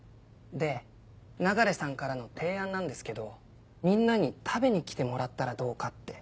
でナガレさんからの提案なんですけどみんなに食べに来てもらったらどうかって。